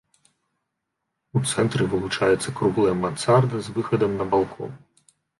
У цэнтры вылучаецца круглая мансарда з выхадам на балкон.